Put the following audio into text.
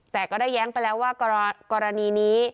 แต่ก็ได้แย้งไปแล้วว่ากรณีนี้